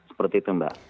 seperti itu mbak